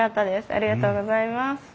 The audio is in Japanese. ありがとうございます。